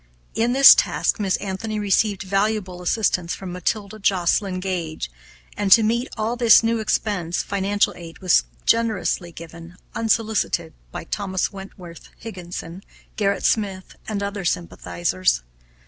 In this task Miss Anthony received valuable assistance from Matilda Joslyn Gage; and, to meet all this new expense, financial aid was generously given, unsolicited, by Thomas Wentworth Higginson, Gerrit Smith, and other sympathizers.